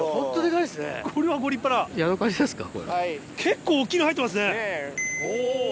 結構大きいの入ってますね。